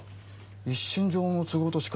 一身上の都合としか。